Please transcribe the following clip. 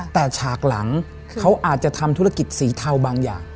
แต่ฉากหลังเขาอาจจะทำธุรกิจสีเทาบางอย่าง